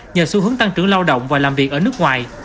nhờ xu hướng tăng trưởng lao động và làm việc ở nước ngoài